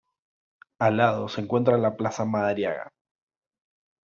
Al lado se encuentra la plaza Madariaga.